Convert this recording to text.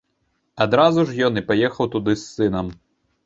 Адразу ж ён і паехаў туды з сынам.